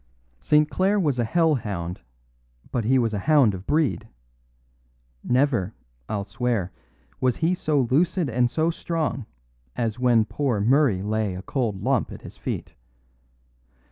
"St. Clare was a hell hound, but he was a hound of breed. Never, I'll swear, was he so lucid and so strong as when poor Murray lay a cold lump at his feet.